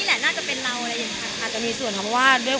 สายการโชว์แบบนี้บาปนี้อาจจะเชื่อง่าย